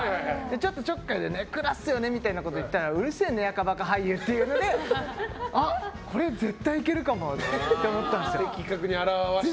ちょっとちょっかいで根暗っすよねってこと言ったらうるせえ根アカバカ俳優っていうのでこれ絶対いけるかもって思ったんですよ。